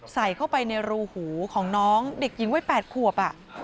ใส่เข้าไปในรูหูของน้องเด็กหญิงวัย๘ขวบ